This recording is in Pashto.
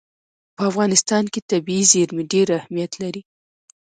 په افغانستان کې طبیعي زیرمې ډېر اهمیت لري.